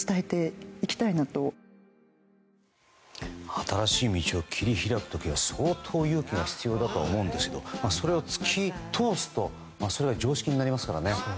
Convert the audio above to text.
新しい道を切り開く時は相当、勇気が必要だと思うんですけどそれを突き通すとそれが常識になりますからね。